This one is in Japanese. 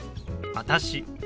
「私」。